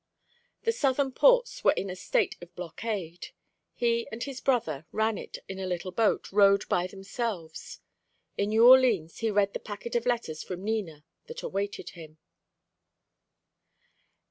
The Southern ports were in a state of blockade. He and his brother ran it in a little boat rowed by themselves. In New Orleans he read the packet of letters from Nina, that awaited him.